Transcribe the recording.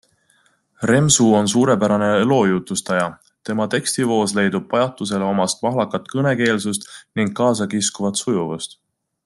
Remsu on suurepärane loojutustaja, tema tekstivoos leidub pajatusele omast mahlakat kõnekeelsust ning kaasakiskuvat sujuvust.